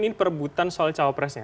ini perebutan soal cawapresnya